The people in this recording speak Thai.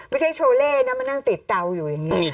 ไม่ใช่โชเลน่ามันนั่งติดเตาอยู่อย่างนี้